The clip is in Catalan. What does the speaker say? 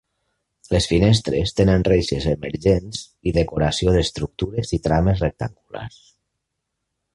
Les finestres tenen reixes emergents i decoració d'estructures i trames rectangulars.